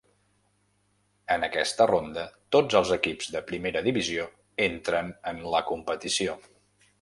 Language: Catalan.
En aquesta ronda, tots els equips de primera divisió entren en la competició.